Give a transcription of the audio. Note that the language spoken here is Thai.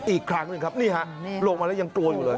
อีกครั้งหนึ่งครับนี่ฮะลงมาแล้วยังกลัวอยู่เลย